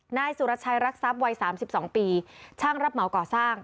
นายสุรชัยรักทรัพย์วัย๓๒ปีช่างรับเหมาก่อสร้าง